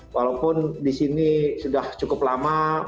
walaupun disini sudah cukup lama